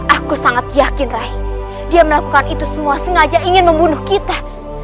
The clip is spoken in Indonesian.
aku sangat yakin rai dia melakukan itu semua sengaja ingin membunuh kita